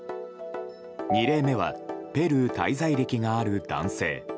２例目はペルー滞在歴がある男性。